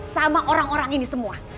sama orang orang ini semua